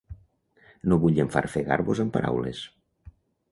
No vull enfarfegar-vos amb paraules.